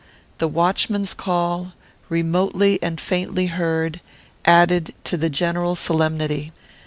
The watchman's call, remotely and faintly heard, added to the general solemnity.